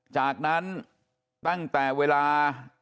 จากนั้นตั้งแต่เวลา